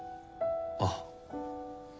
あっ。